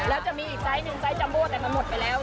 แล้วจะมีอีกไซส์หนึ่งไซส์จัมโบ้แต่มันหมดไปแล้ว